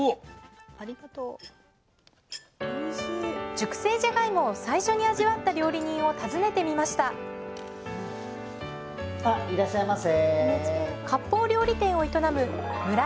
熟成じゃがいもを最初に味わった料理人を訪ねてみましたあいらっしゃいませ。